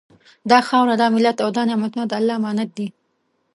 دا خاوره، دا ملت او دا نعمتونه د الله امانت دي